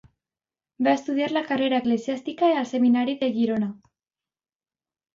Va estudiar la carrera eclesiàstica al seminari de Girona.